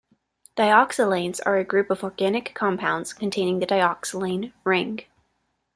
Dioxolanes are a group of organic compounds containing the dioxolane ring.